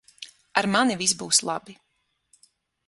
Ar mani viss būs labi.